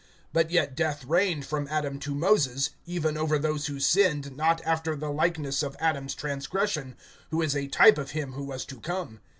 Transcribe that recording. (14)But yet death reigned from Adam to Moses, even over those who sinned not after the likeness of Adam's transgression, who is a type of him who was to come.